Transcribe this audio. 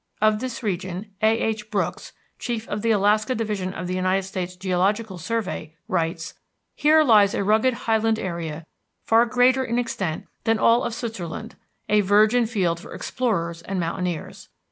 Of this region A.H. Brooks, Chief of the Alaska Division of the United States Geological Survey, writes: "Here lies a rugged highland area far greater in extent than all of Switzerland, a virgin field for explorers and mountaineers.